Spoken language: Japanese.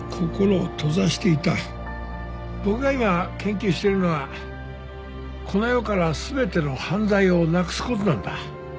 僕が今研究してるのはこの世から全ての犯罪をなくすことなんだ